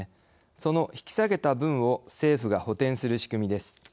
その引き下げた分を政府が補てんする仕組みです。